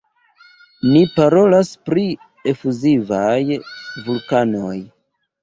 Ni parolas pri efuzivaj vulkanoj.